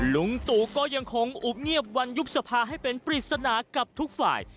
ลุงตู่ก็ยังคงอุบเงียบวันยุบสภาให้เป็นปริศนากับทุกฝ่าย